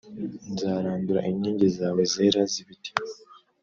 Nzarandura inkingi zawe zera z’ibiti